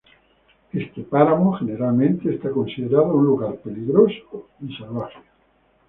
Este páramo generalmente es considerado un lugar peligroso y salvaje.